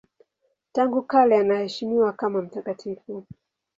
Tangu kale anaheshimiwa kama mtakatifu.